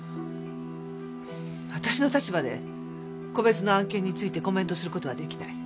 私の立場で個別の案件についてコメントする事は出来ない。